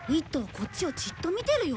こっちをじっと見てるよ。